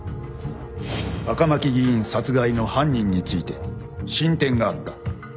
赤巻議員殺害の犯人について進展があった